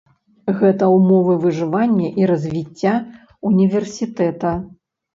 Гэта ўмовы выжывання і развіцця ўніверсітэта.